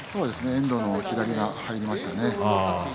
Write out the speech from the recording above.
遠藤の左が入りましたね。